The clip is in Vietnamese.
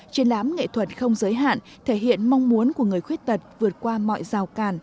triển lãm nghệ thuật không giới hạn thể hiện mong muốn của người khuyết tật vượt qua mọi rào càn